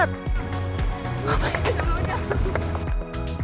aduh ini jauh balik